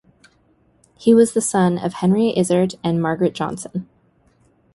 He was the son of Henry Izard and Margaret Johnson.